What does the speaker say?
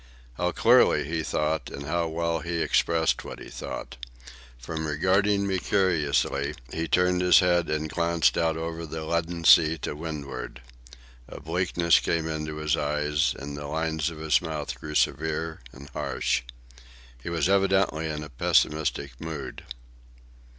How clearly he thought, and how well he expressed what he thought! From regarding me curiously, he turned his head and glanced out over the leaden sea to windward. A bleakness came into his eyes, and the lines of his mouth grew severe and harsh. He was evidently in a pessimistic mood.